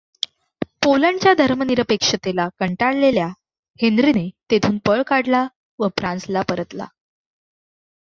पोलंडच्या धर्मनिरपेक्षतेला कंटाळलेल्या हेन्रीने तेथून पळ काढला व फ्रांसला परतला.